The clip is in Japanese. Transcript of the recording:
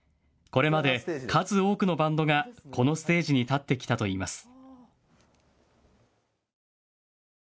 これまで数多くのバンドがこのステージに立ってきたといいます。